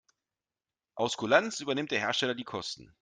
Aus Kulanz übernimmt der Hersteller die Kosten.